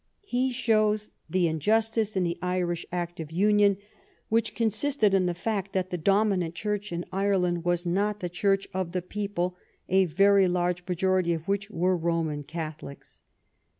He shows the injustice in the Irish act of union which "consisted in the fact that the dominant Church in Ireland was not the Church of the people, a very large majority of whom were Boman Catholics."